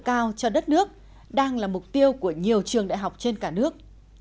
nâng cao chất lượng cao cho đất nước đang là mục tiêu của nhiều trường đại học trên cả nước